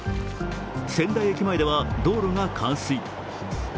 仙台駅前では道路が冠水。